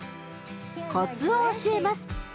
コツを教えます。